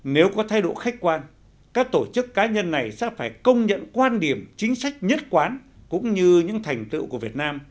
nếu có thay đổi khách quan các tổ chức cá nhân này sẽ phải công nhận quan điểm chính sách nhất quán cũng như những thành tựu của việt nam